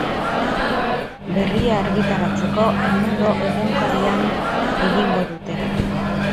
Berria argitaratzeko El Mundo egunkarian egingo dute.